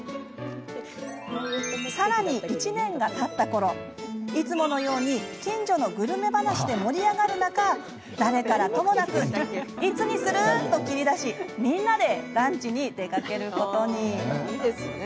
さらに１年がたったころいつものように近所のグルメ話で盛り上がる中誰からともなく「いつにする？」と切り出しみんなでランチに出かけることに。